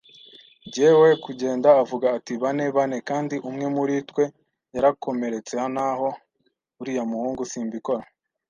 Jyewe, 'kugenda?' Avuga ati: 'Bane; 'bane, kandi umwe muri twe yarakomeretse. Naho uriya muhungu, simbikora